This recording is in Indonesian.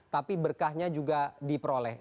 tapi berkahnya juga diperoleh